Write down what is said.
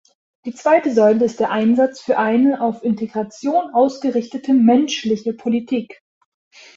Die zweite Säule ist der Einsatz für eine auf Integration ausgerichtete, menschliche Politik.